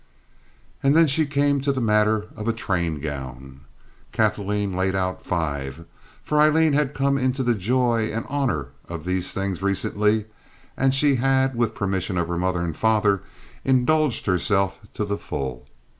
And then she came to the matter of a train gown. Kathleen laid out five, for Aileen had come into the joy and honor of these things recently, and she had, with the permission of her mother and father, indulged herself to the full.